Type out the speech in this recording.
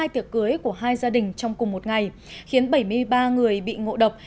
hai tiệc cưới của hai gia đình trong cùng một ngày khiến bảy mươi ba người bị ngộ độc